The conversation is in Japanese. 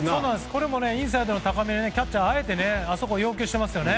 これもインサイドの高めでキャッチャーはあえてあそこに要求していましたよね。